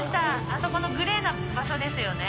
あそこのグレーの場所ですよね。